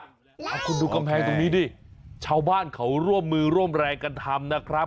เอาคุณดูกำแพงตรงนี้ดิชาวบ้านเขาร่วมมือร่วมแรงกันทำนะครับ